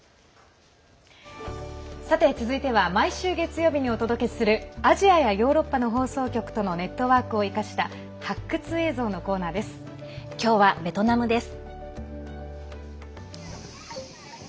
さて、続いては毎週月曜日にお届けするアジアやヨーロッパの放送局とのネットワークを生かした今日はベトナムです。